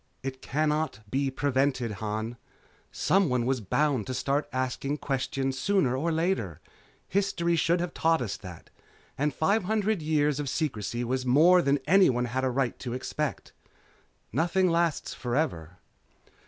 "It cannot be prevented, Han. Someone was bound to start asking questions sooner or later. History should have taught us that. And five hundred years of secrecy was more than anyone had a right to expect. Nothing lasts forever."